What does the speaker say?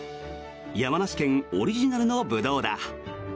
山梨県オリジナルのブドウだ。